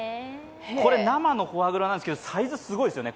これ生のフォアグラなんですけど、サイズすごいですよね。